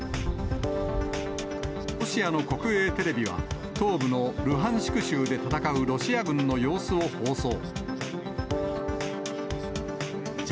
ロシアの国営テレビは、東部のルハンシク州で戦うロシア軍の様子を放送。